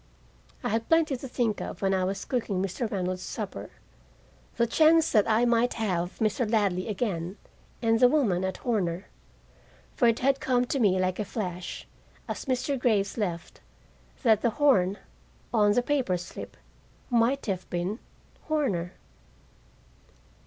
I had plenty to think of when I was cooking Mr. Reynolds' supper: the chance that I might have Mr. Ladley again, and the woman at Horner. For it had come to me like a flash, as Mr. Graves left, that the "Horn " on the paper slip might have been "Horner."